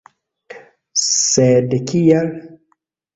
Sed kial?